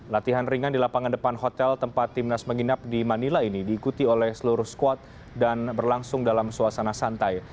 latihan ringan di lapangan depan hotel tempat timnas menginap di manila ini diikuti oleh seluruh squad dan berlangsung dalam suasana santai